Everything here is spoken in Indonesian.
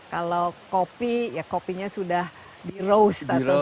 kalau kopi ya kopinya sudah di rose statusnya